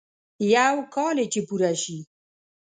يو کال يې چې پوره شي.